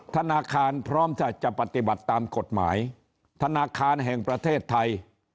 ธนาคารพร้อมจะปฏิบัติตามกฎหมายธนาคารแห่งประเทศไทย